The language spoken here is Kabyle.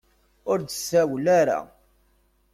Ur d-tsawel ara.